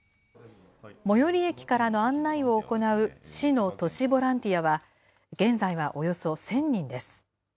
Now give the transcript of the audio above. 最寄り駅からの案内を行う市の都市ボランティアは、現在はおよそ１０００人です。